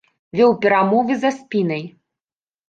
Вёў перамовы за спінай.